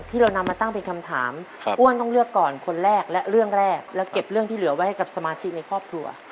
ที่เรานำมาตั้งเป็นคำถามอ้วนต้องเลือกก่อนคนแรกและเรื่องแรกแล้วเก็บเรื่องที่เหลือไว้ให้กับสมาชิกในครอบครัว